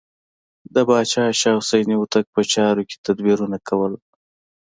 د پاچا شاه حسین هوتک په چارو کې تدبیرونه کول.